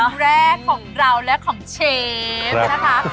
แรกของเราและของเชฟนะคะ